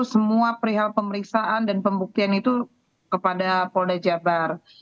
semua perihal pemeriksaan dan pembuktian itu kepada polda jabar